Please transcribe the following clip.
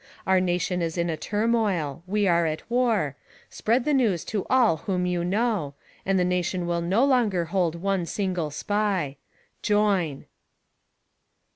C)ur nation is in a turni'oil ; we are at war ; spread the news to all whom you know, and the nation will no longer hold one single — SPY. Join